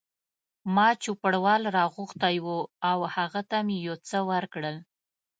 ما چوپړوال را غوښتی و او هغه ته مې یو څه ورکړل.